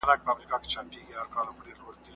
حضور ته وې، پیدا ته وې وجود ته وې